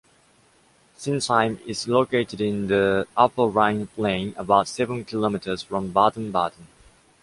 Sinzheim is located in the Upper Rhine Plain about seven kilometers from Baden-Baden.